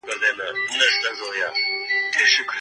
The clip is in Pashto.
ښوونکي باید زده کوونکي په کال کې یو ځل تاریخي ځایونو ته بوځي.